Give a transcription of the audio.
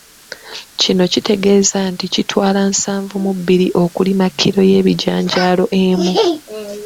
Kino kitegeeza nti kitwala nsanvu mu bbiri okulima kilo y’ebijanjaalo emu.